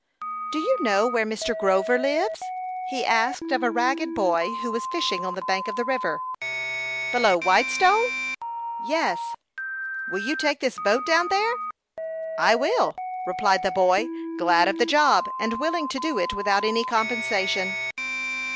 "Do you know where Mr. Grover lives?" he asked of a ragged boy who was fishing on the bank of the river. "Below Whitestone?" "Yes." "Will you take this boat down there?" "I will," replied the boy, glad of the job, and willing to do it without any compensation.